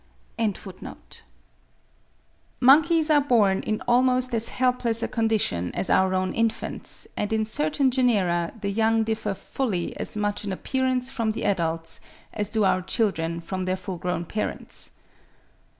to the birth and nurturing of the young. Monkeys are born in almost as helpless a condition as our own infants; and in certain genera the young differ fully as much in appearance from the adults, as do our children from their full grown parents.